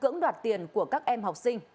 cưỡng đoạt tiền của các em học sinh